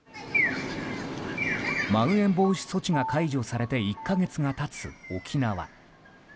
まん延防止措置が解除されて１か月が経つ沖縄。